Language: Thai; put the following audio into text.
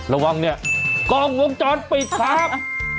ระวังเนี่ยกองมุมจอดปิดครับ